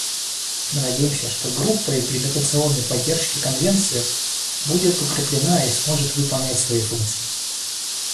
Мы надеемся, что Группа имплементационной поддержки Конвенции будет укреплена и сможет выполнять свои функции.